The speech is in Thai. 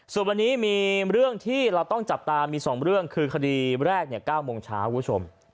ส่วนวันนี้มีเรื่องที่เราต้องจับตามี๒เรื่องคือคดีแรก๙โมงเช้าคุณผู้ชม